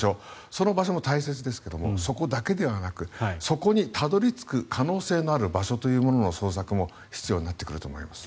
その場所も大切ですがそこだけではなくそこにたどり着く可能性のある場所というものも捜索も必要になってくると思います。